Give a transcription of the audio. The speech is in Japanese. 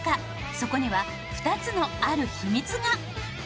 そこには２つのある秘密が。